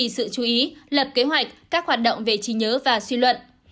sự chú ý lập kế hoạch các hoạt động về trí nhớ và suy luận